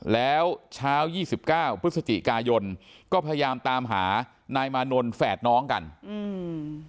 แล้วเช้ายี่สิบเก้าพฤศจิกายนก็พยายามตามหานายมานนท์แฝดน้องกันอืม